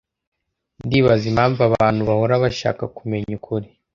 Ndibaza impamvu abantu bahora bashaka kumenya ukuri.